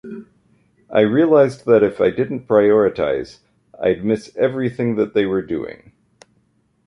I realized that if I didn't prioritize, I'd miss everything that they were doing.